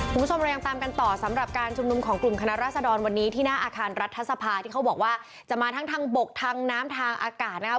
คุณผู้ชมเรายังตามกันต่อสำหรับการชุมนุมของกลุ่มคณะราษฎรวันนี้ที่หน้าอาคารรัฐสภาที่เขาบอกว่าจะมาทั้งทางบกทางน้ำทางอากาศนะครับ